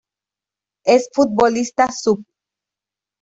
Es futbolista sub.